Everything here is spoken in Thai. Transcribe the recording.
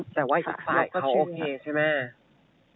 แต่ว่าอีกฝ่ายเขาโอเคใช่ไหม